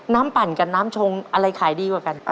ปั่นกับน้ำชงอะไรขายดีกว่ากัน